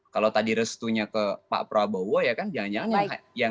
kalau tadi restunya ke pak prabowo ya kan jangan jangan